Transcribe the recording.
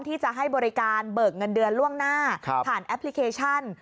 ที่จะให้บริการเบิกเงินเดือนล่วงหน้าผ่านแอปพลิเคชัน